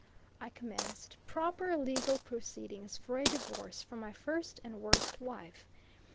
I commenced proper legal proceedings for a divorce from my first and worst wife.